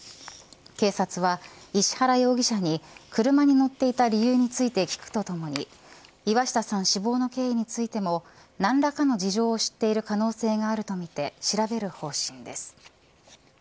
警察は石原容疑者に車に乗っていた理由について聞くとともに岩下さん死亡の経緯についても何らかの事情を知っている可能性があるとみて調べる方針です。